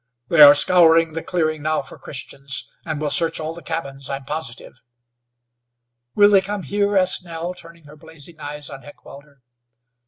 "They are scouring the clearing now for Christians, and will search all the cabins. I'm positive." "Will they come here?" asked Nell, turning her blazing eyes on Heckewelder.